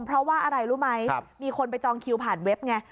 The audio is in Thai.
เพราะว่าอะไรรู้ไหมมีคนไปจองคิวผ่านเว็บไง